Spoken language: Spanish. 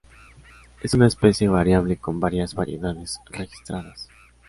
Es una especie variable con varias variedades registradas.